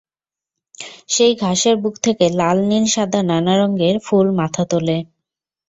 সেই ঘাসের বুক থেকে লাল, নীল, সাদা—নানা রঙের ফুল মাথা তোলে।